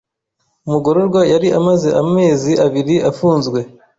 Umugororwa yari amaze amezi abiri afunzwe.